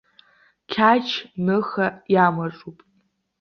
Қьач ныха иамаҿуп.